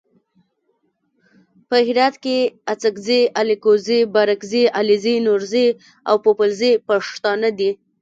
په هرات کې اڅګزي الکوزي بارګزي علیزي نورزي او پوپلزي پښتانه دي.